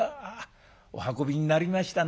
お運びになりましたな。